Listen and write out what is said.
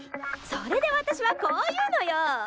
それで私はこう言うのよ！